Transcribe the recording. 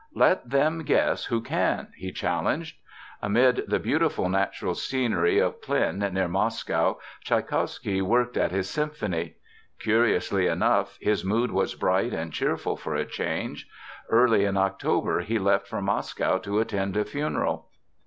"Let them guess who can," he challenged. Amid the beautiful natural scenery of Klin, near Moscow, Tschaikowsky worked at his symphony. Curiously enough, his mood was bright and cheerful for a change. Early in October he left for Moscow to attend a funeral.